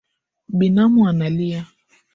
Binamu analia